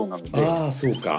ああそうか。